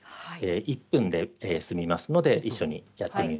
１分で済みますので一緒にやってみましょう。